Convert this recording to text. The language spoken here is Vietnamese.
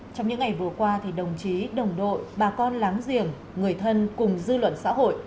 trong những ngày vừa qua đồng chí đồng đội bà con láng giềng người thân cùng dư luận xã hội